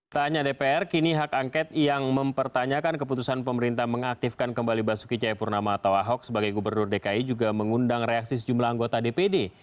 tak hanya dpr kini hak angket yang mempertanyakan keputusan pemerintah mengaktifkan kembali basuki cayapurnama atau ahok sebagai gubernur dki juga mengundang reaksi sejumlah anggota dpd